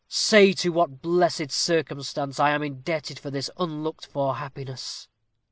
Say to what blessed circumstance I am indebted for this unlooked for happiness."